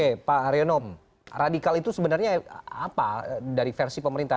dan di dalam adrenom radikal itu sebenarnya apa dari versi pemerintah